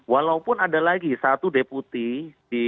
walaupun ada lagi satu deputi di bandar jawa tengah ya yang meminta ya